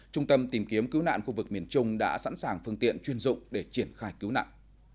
trung tâm tìm kiếm cứu nạn khu vực miền trung đã sẵn sàng phương tiện chuyên dụng để triển khai cứu nạn